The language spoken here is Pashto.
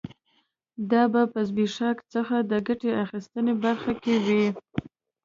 دا په زبېښاک څخه د ګټې اخیستنې برخه کې و